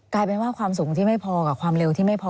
กลายเป็นว่าความสูงที่ไม่พอกับความเร็วที่ไม่พอ